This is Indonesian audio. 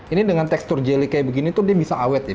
ini dengan tekstur jeli kayak begini tuh dia bisa awet ya